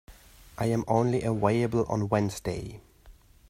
I am only available on Wednesday.